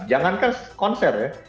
jangankan konser ya